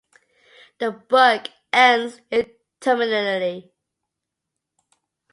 The book ends indeterminately.